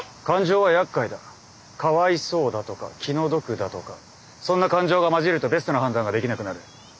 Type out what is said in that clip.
かわいそうだとか気の毒だとかそんな感情が混じるとベストな判断ができなくなる。